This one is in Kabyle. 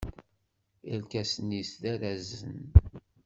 Irkasen-is d arasen.